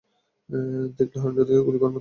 দেখলে হারামজাদাকে গুলি করে মারতাম।